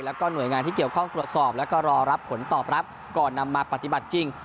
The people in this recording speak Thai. แล้วก็หน่วยงานที่เกี่ยวข้องตรวจสอบแล้วก็รอรับผลตอบรับก่อนนำมาปฏิบัติจริง